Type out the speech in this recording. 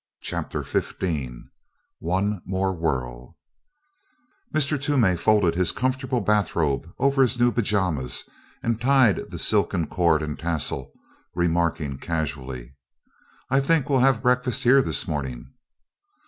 CHAPTER XV ONE MORE WHIRL Mr. Toomey folded his comfortable bathrobe over his new pajamas and tied the silken cord and tassel, remarking casually: "I think we'll have breakfast here this morning."